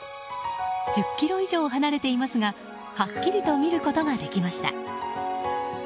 １０ｋｍ以上離れていますがはっきりと見ることができました。